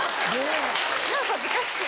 恥ずかしい。